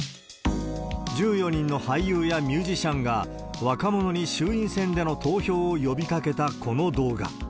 １４人の俳優やミュージシャンが、若者に衆院選での投票を呼びかけたこの動画。